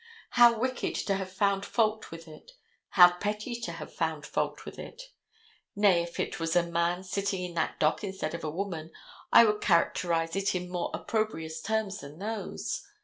How wicked to have found fault with it. How petty to have found fault with it. Nay, if it was a man sitting in that dock instead of a woman, I would characterize it in more opprobrious terms than those.